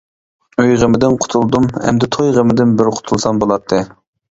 ئۆي غېمىدىن قۇتۇلدۇم ئەمدى توي غېمىدىن بىر قۇتۇلسام بولاتتى.